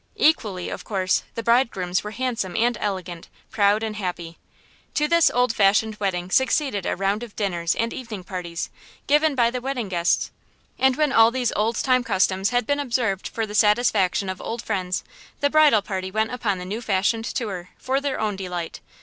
"Equally," of course, the bridegrooms were handsome and elegant, proud and happy. To this old fashioned wedding succeeded a round of dinners and evening parties, given by the wedding guests. And when all these old time customs had been observed for the satisfaction of old friends, the bridal party went upon the new fashioned tour, for their own delight.